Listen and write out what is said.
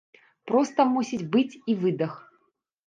Проста мусіць быць і выдых.